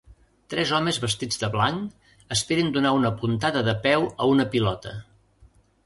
Tres homes vestits de blanc esperen donar una puntada de peu a una pilota.